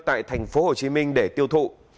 tại thành phố hồ chí minh để tiêu thụ